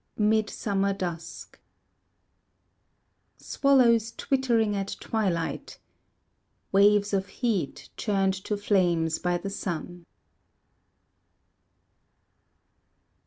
Mid Summer Dusk Swallows twittering at twilight: Waves of heat Churned to flames by the sun.